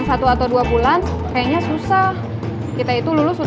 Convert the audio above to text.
coba berangkat biar gue bali dulu meluap